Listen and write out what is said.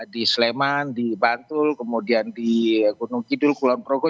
di sleman di bantul kemudian di gunung kidul kulon progo